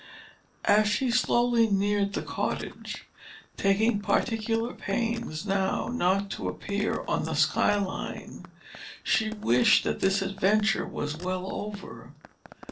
As she slowly neared the cottage, taking particular pains now not to appear on the skyline, she wished that this adventure was well over.